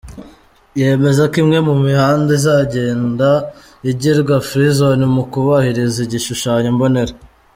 Yemeza ko imwe mu mihanda izagenda igirwa “Free Zone” mu kubahiriza igishushanyo mbonera.